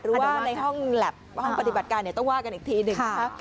หรือว่าในห้องปฏิบัติการต้องว่ากันอีกทีหนึ่ง